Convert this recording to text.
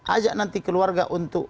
ajak nanti keluarga untuk